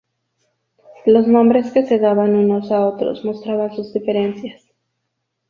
Los nombres que se daban unos a otros mostraban sus diferencias.